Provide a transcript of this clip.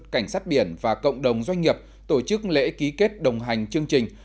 cảnh sát biển và cộng đồng doanh nghiệp tổ chức lễ ký kết đồng hành chương trình